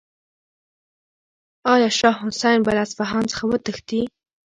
آیا شاه حسین به له اصفهان څخه وتښتي؟